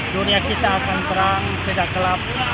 dunia kita akan terang tidak gelap